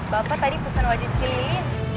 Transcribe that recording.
bapak tadi pesan wajit cilin